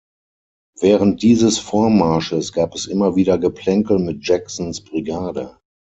Während dieses Vormarsches gab es immer wieder Geplänkel mit Jacksons Brigade.